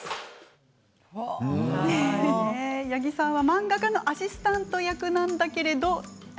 八木さんは漫画家のアシスタント役なんだけれど。